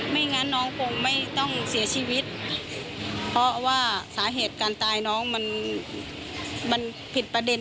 งั้นน้องคงไม่ต้องเสียชีวิตเพราะว่าสาเหตุการตายน้องมันมันผิดประเด็น